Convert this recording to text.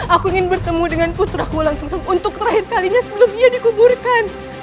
aku ingin bertemu dengan putraku langsung untuk terakhir kalinya sebelum ia dikuburkan